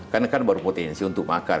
karena kan baru potensi untuk makar